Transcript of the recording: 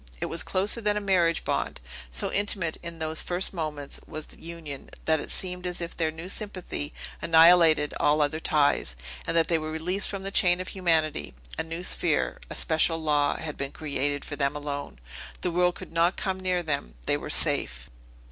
It was closer than a marriage bond. So intimate, in those first moments, was the union, that it seemed as if their new sympathy annihilated all other ties, and that they were released from the chain of humanity; a new sphere, a special law, had been created for them alone. The world could not come near them; they were safe!